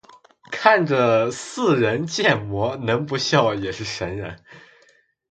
看着似人建模能不笑也是神人